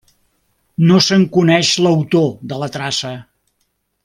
No se’n coneix l’autor de la traça.